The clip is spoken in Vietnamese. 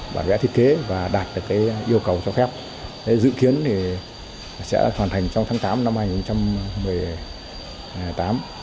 bản vẽ thiết kế và đạt được yêu cầu cho phép dự kiến sẽ hoàn thành trong tháng tám năm hai nghìn một mươi tám